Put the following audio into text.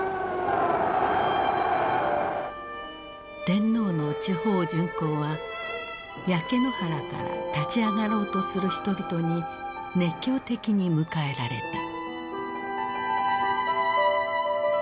天皇の地方巡幸は焼け野原から立ち上がろうとする人々に熱狂的に迎えられた。